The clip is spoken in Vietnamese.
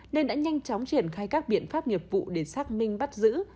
nên đã nhanh chóng triển khai các biện pháp nghiệp vụ để xác minh bắt giữ